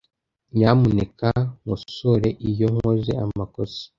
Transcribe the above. Nyamuneka nkosore iyo nkoze amakosa